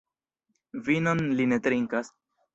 Vinon li ne trinkas.